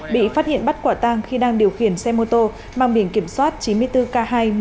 bị phát hiện bắt quả tang khi đang điều khiển xe mô tô mang biển kiểm soát chín mươi bốn k hai một mươi hai nghìn ba trăm chín mươi